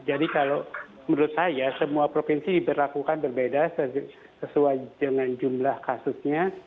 jadi kalau menurut saya semua provinsi berlakukan berbeda sesuai dengan jumlah kasusnya